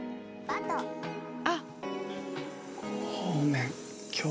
あっ。